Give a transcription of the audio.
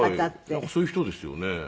なんかそういう人ですよね。